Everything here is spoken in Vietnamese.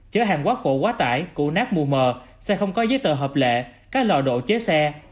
chở hàng quá khổ quá tải cụ nát mù mờ xe không có giấy tờ hợp lệ các lò độ chế xe